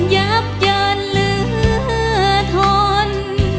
ยับเยินเหลือทน